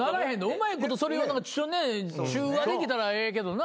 うまいことそれを中和できたらええけどな。